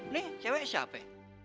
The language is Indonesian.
nih cewek siapa